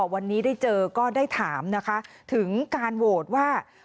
วันนี้ได้เจอก็ได้ถามนะคะถึงการโหวตว่า